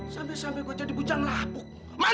sampai sampai gede bujang lapuk